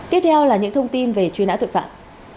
tiếp theo là những thông tin về truy nã tội phạm